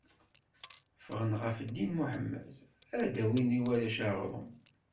Ffɣen ɣef ddin n Muḥemmed, ad d-awin i warrac aɣrum.